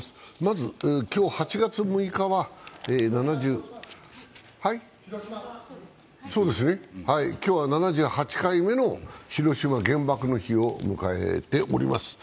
まず今日８月６日は、７８回目の広島原爆の日を迎えております。